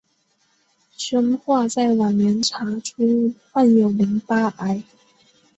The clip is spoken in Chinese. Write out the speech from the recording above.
宣化在晚年查出患有淋巴癌。